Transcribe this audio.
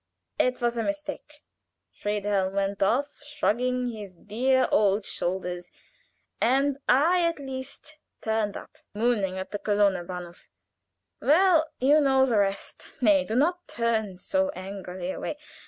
It was a mistake. Friedhelm went off, shrugging his dear old shoulders, and I at last turned up, mooning at the Kölner Bahnof. Well you know the rest. Nay, do not turn so angrily away.